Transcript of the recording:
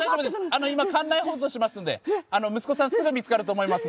あの今館内放送しますんで息子さんすぐ見つかると思います